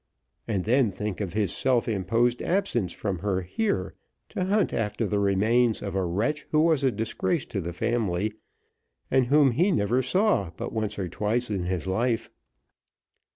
And then think of his self imposed absence from her here, to hunt after the remains of a wretch who was a disgrace to the family, and whom he never saw but once or twice in his life.